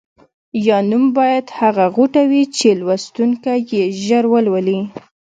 یا نوم باید هغه غوټه وي چې لوستونکی یې ژر ولولي.